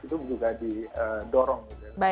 itu juga didorong